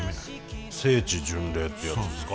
聖地巡礼ってやつですか？